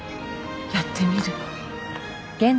やってみる